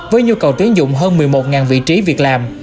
với nhu cầu tuyến dụng hơn một mươi một vị trí việc làm